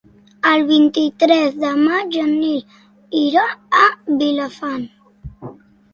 El vint-i-tres de maig en Nil irà a Vilafant.